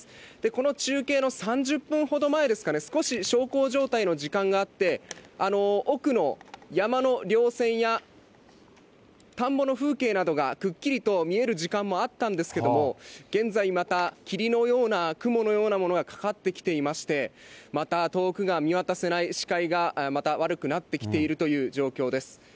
この中継の３０分ほど前ですかね、少し小康状態の時間があって、奥の山の稜線や、田んぼの風景などがくっきりと見える時間もあったんですけれども、現在また、霧のような雲のようなものがかかってきていまして、また遠くが見渡せない、視界がまた悪くなってきているという状況です。